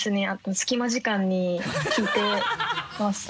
隙間時間に聞いてます。